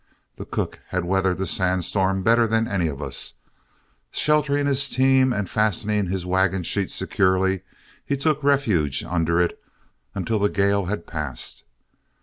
The cook had weathered the sand storm better than any of us. Sheltering his team, and fastening his wagon sheet securely, he took refuge under it until the gale had passed.